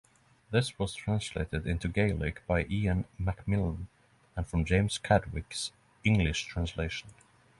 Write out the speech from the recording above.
This was translated into Gaelic by Iain MacMilan from James Chadwick's English translation.